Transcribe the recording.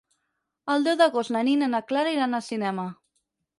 El deu d'agost na Nina i na Clara aniran al cinema.